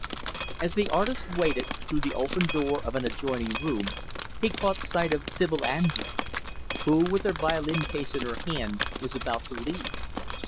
As the artist waited, through the open door of an adjoining room, he caught sight of Sibyl Andrés; who, with her violin case in her hand, was about to leave.